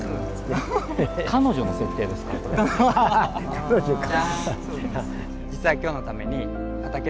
彼女か。